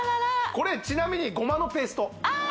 これちなみにゴマのペースト・ああ